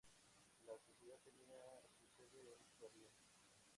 La Sociedad tenía su sede en Berlín.